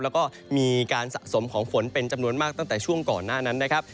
แล้วก็มีการสะสมของฝนเป็นจำนวนมากตั้งแต่ช่วงก่อนหน้านั้นนะครับ